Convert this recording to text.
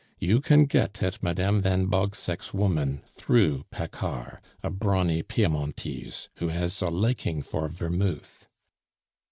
You can get at Madame van Bogseck's woman through Paccard, a brawny Piemontese, who has a liking for vermouth."